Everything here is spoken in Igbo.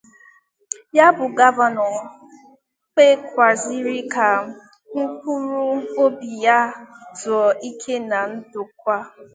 ya bụ gọvanọ kpèkwàzịrị ka mkpụrụobi ya zuo ike na ndokwa.